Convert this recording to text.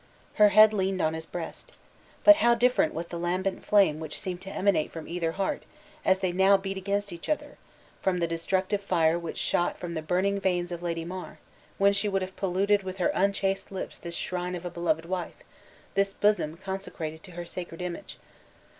Her head leaned on his breast. But how different was the lambent flame which seemed to emanate from either heart, as they now beat against each other, from the destructive fire which shot from the burning veins of Lady mar, when she would have polluted with her unchaste lips this shrine of a beloved wife, this bosom consecrated to her sacred image!